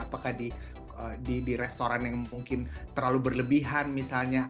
apakah di restoran yang mungkin terlalu berlebihan misalnya